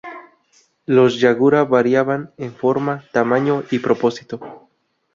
Los "yagura" variaban en forma, tamaño y propósito.